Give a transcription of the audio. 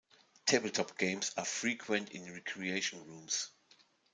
Tabletop games are frequent in recreation rooms.